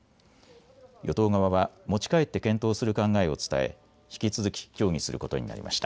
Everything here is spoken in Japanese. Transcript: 与党側は持ち帰って検討する考えを伝え引き続き協議することになりました。